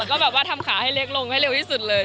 ก็แบบว่าทำขาให้เล็กลงให้เร็วที่สุดเลย